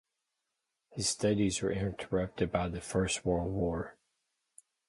His studies were interrupted by the First World War.